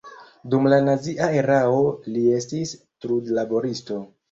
Dum la nazia erao li estis trudlaboristo.